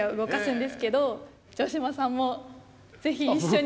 城島さんもぜひ一緒に。